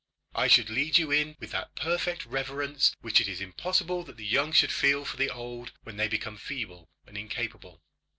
I should lead you in with that perfect reverence which it is impossible that the young should feel for the old when they become feeble and incapable."